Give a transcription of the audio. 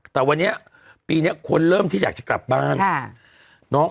แต่วันนี้ปีนี้คนเริ่มที่อยากจะกลับบ้าน